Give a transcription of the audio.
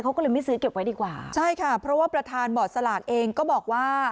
เขาก็เลยไม่ซื้อเก็บไว้ดีกว่าใช่ค่ะเพราะว่าประธานบอร์ดสลากเองก็บอกว่า